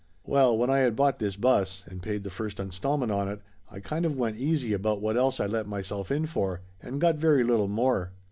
Well, when I had bought this bus, and paid the first installment on it, I kind of went easy about what else I let myself in for, and got very little more.